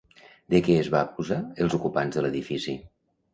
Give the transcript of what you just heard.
De què es va acusar els ocupants de l'edifici?